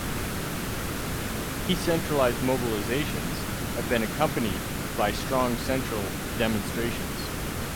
Decentralised mobilisations have been accompanied by strong central demonstrations.